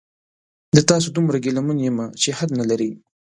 د تاسو دومره ګیله من یمه چې حد نلري